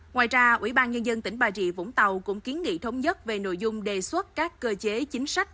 ngoài ra ủy ban nhân dân tỉnh bà rịa vũng tàu cũng kiến nghị thống nhất về nội dung đề xuất các cơ chế chính sách